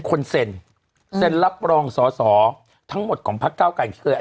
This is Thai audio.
คนเซนเซนรับรองสอสอทั้งหมดของพักเก้ากายที่เกิด